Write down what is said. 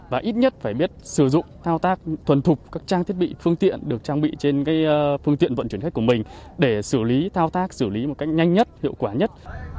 và ít nhất phải biết sử dụng thao tác thuần thục các trang thiết bị phương tiện được trang bị trên phương tiện vận chuyển khách của mình để xử lý thao tác xử lý một cách nhanh nhất hiệu quả nhất